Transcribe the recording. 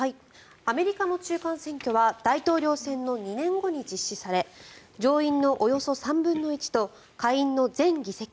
アメリカの中間選挙は大統領選の２年後に実施され上院のおよそ３分の１と下院の全議席